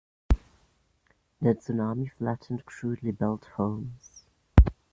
The tsunami flattened crudely built homes.